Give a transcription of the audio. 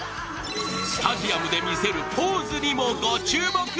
スタジアムで見せるポーズにもご注目。